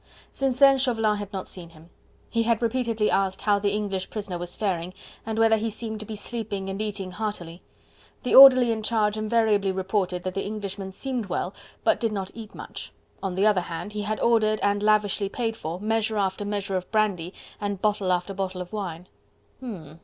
Since then Chauvelin had not seen him. He had repeatedly asked how the English prisoner was faring, and whether he seemed to be sleeping and eating heartily. The orderly in charge invariably reported that the Englishman seemed well, but did not eat much. On the other hand, he had ordered, and lavishly paid for, measure after measure of brandy and bottle after bottle of wine. "Hm!